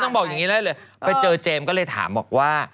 แต่ต้องบอกแบบนี้ได้เลยไปเจอเจมส์ก็เลยถามว่า